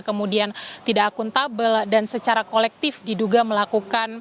kemudian tidak akuntabel dan secara kolektif didapatkan jadi itu adalah hal yang cukup penting